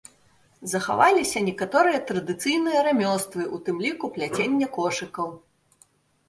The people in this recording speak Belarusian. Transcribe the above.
Захаваліся некаторыя традыцыйныя рамёствы, у тым ліку пляценне кошыкаў.